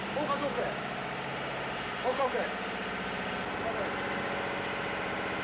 ＯＫＯＫ。